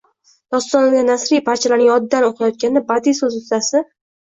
Dostondagi nasriy parchalarni yoddan o'qiyotganda badiiy so'z ustasi